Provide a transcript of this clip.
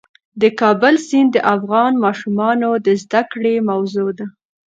د کابل سیند د افغان ماشومانو د زده کړې موضوع ده.